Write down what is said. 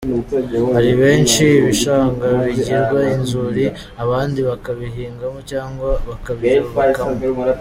Hari henshi ibishanga bigirwa inzuri, abandi bakabihingamo cyangwa bakabyubakamo.